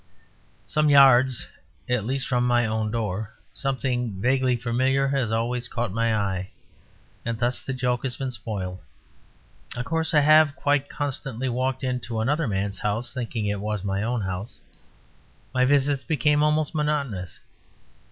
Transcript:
Some yards at least from my own door, something vaguely familiar has always caught my eye; and thus the joke has been spoiled. Of course I have quite constantly walked into another man's house, thinking it was my own house; my visits became almost monotonous.